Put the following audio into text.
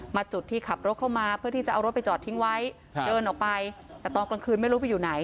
จุดที่ขับรถเข้ามาเพื่อที่จะเอารถไปจอดทิ้งไว้เดินออกไปแต่ตอนกลางคืนไม่รู้ไปอยู่ไหน